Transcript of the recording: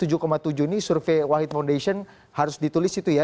jadi tujuh tujuh ini survey white foundation harus ditulis itu ya